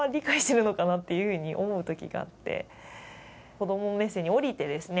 子ども目線におりてですね